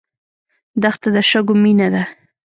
دښته د شګو مینه ده.